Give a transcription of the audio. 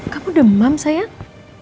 kamu demam sayang